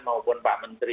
maupun pak menteri